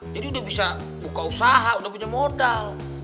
jadi udah bisa buka usaha udah punya modal